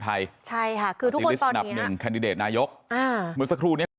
ค่ะคุณผู้ชมค่ะนั่นก็เป็น